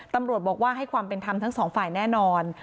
ตำรวจบอกว่าให้ความเป็นธรรมทั้งสองฝ่ายแน่นอน